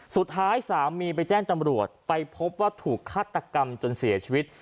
สามีไปแจ้งตำรวจไปพบว่าถูกฆาตกรรมจนเสียชีวิต